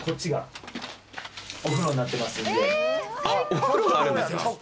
あお風呂があるんですか。